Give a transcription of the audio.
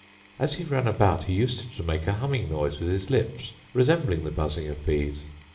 As he ran about he used to make a humming noise with his lips, resembling the buzzing of bees.